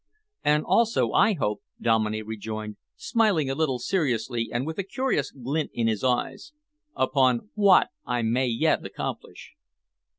"And also, I hope," Dominey rejoined, smiling a little seriously and with a curious glint in his eyes, "upon what I may yet accomplish."